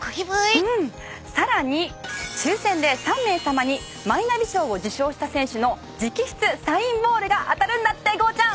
更に抽選で３名様にマイナビ賞を受賞した選手の直筆サインボールが当たるんだってゴーちゃん。